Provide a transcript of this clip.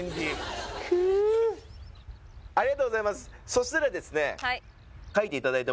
そしたらですね